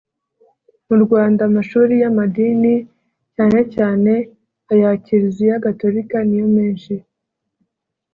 mu rwanda, amashuri y'amadini, cyane cyane aya kiliziya gatolika niyo menshi